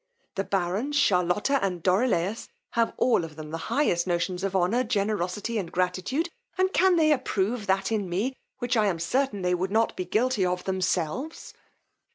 The Baron, Charlotta, and Dorilaus, have all of them the highest notions of honour, generosity and gratitude, and can they approve that in me, which I am certain they would not be guilty of themselves!